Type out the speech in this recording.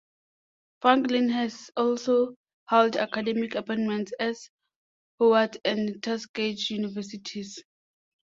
Franklin has also held academic appointments at Howard and Tuskegee universities.